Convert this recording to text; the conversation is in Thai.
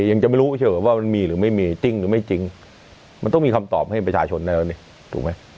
ยังจะไม่รู้เฉยว่ามันมีหรือไม่มีจริงหรือไม่จริงมันต้องมีคำตอบให้ประชาชนได้แล้วนี่ถูกไหม